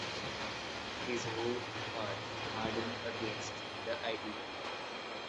His whole heart hardened against the idea.